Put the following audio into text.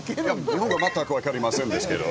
日本語全く分かりませんですけど。